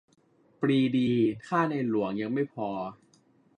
"ปรีดีฆ่าในหลวง !" ยังไม่พอ